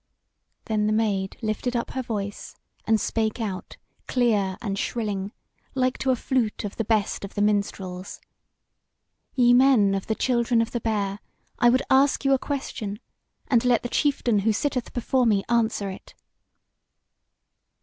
Then the Maid lifted up her voice, and spake out clear and shrilling, like to a flute of the best of the minstrels: "Ye men of the Children of the Bear, I would ask you a question, and let the chieftain who sitteth before me answer it."